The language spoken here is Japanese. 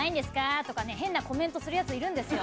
変なコメントするヤツいるんですよ。